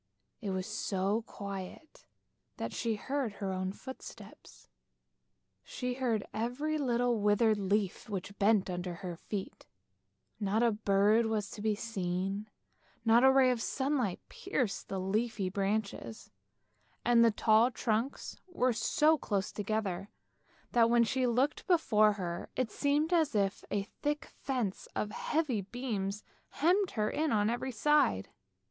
It was so quiet that she heard her own footsteps, she heard every little withered leaf which bent under her feet. Not a bird was to be seen, not a ray of sunlight pierced the leafy branches, and the tall trunks were so close together that when she looked before her it seemed as if a thick fence of heavy beams hemmed her in THE WILD SWANS 41 on every side.